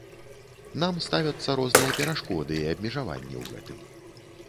Нам ставяцца розныя перашкоды і абмежаванні ў гэтым.